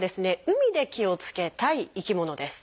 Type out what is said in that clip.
海で気をつけたい生き物です。